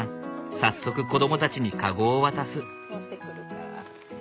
早速子どもたちに籠を渡す。